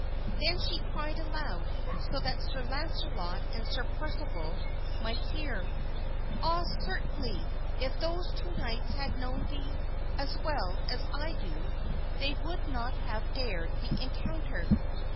Then she cried aloud, so that Sir Launcelot and Sir Percival might hear, "Ah! certainly, if those two knights had known thee as well as I do, they would not have dared the encounter."